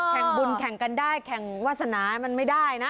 แข่งบุญแข่งกันได้แข่งวาสนามันไม่ได้นะ